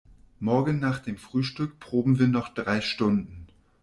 Morgen nach dem Frühstück proben wir noch drei Stunden.